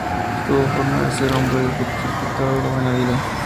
Tuvo fama de ser un hombre que disfrutaba de la buena vida.